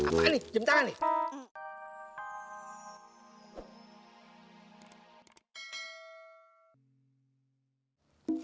apa nih jam tangan nih